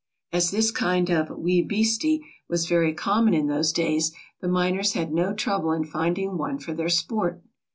As this kind of "wee beastie" was very common in those days, the miners had no trouble in finding one for their sport.